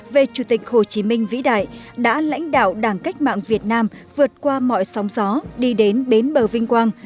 về chủ tịch hồ chí minh vĩ đại đã lãnh đạo đảng cách mạng việt nam vượt qua mọi sóng gió đi đến bến bờ vinh quang